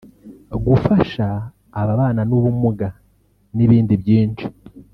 gufasha ababana n’ubumuga n’ibindi byinshi